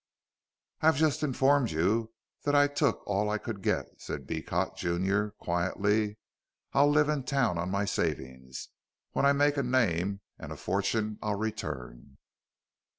"I have just informed you that I took all I could get," said Beecot junior, quietly. "I'll live in Town on my savings. When I make a name and a fortune I'll return."